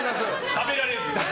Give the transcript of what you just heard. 食べられず。